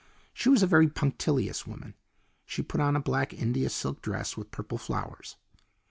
She was a very punctilious woman. She put on a black India silk dress with purple flowers.